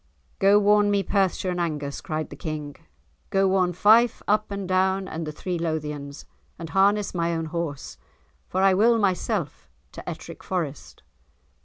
"Go warn me Perthshire and Angus," cried the King, "go warn Fife up and down and the three Lothians, and harness my own horse, for I will myself to Ettrick Forest."